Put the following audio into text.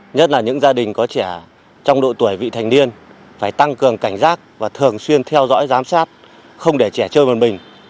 nhất là những gia đình có trẻ trong độ tuổi vị thành niên phải tăng cường cảnh giác và thường xuyên theo dõi giám sát không để trẻ chơi bồn mình